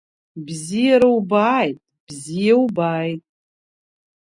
Бзиара убааит, бзиа убааит…